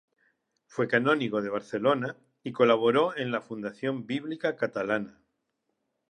Fue canónigo de Barcelona y colaboró en la Fundación Bíblica Catalana.